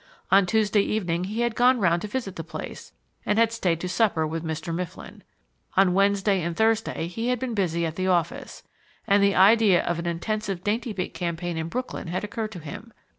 On Tuesday evening he had gone round to visit the place, and had stayed to supper with Mr. Mifflin. On Wednesday and Thursday he had been busy at the office, and the idea of an intensive Daintybit campaign in Brooklyn had occurred to him.